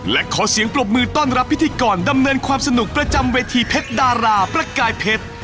และขอเสียงปรบมือต้อนรับพิธีกรดำเนินความสนุกประจำเวทีเพชรดาราประกายเพชร